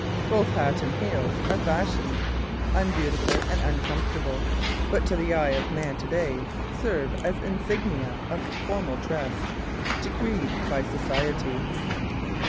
Both hat and heels are fashions, unbeautiful and uncomfortable, but to the eye of man to day serve as insignia of formal dress, decreed by society.